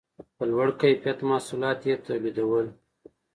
په لوړ کیفیت محصولات یې تولیدول